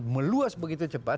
meluas begitu cepat